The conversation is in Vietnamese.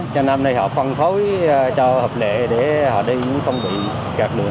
cho nên hôm nay họ phân phối cho hợp lệ để họ đi không bị cạp đường